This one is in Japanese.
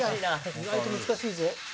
意外と難しいぞ。